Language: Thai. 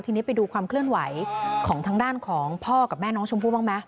ทีนี้ไปดูความเคลื่อนไหวของทางด้านของพ่อกับแม่น้องชมพู่บ้างไหม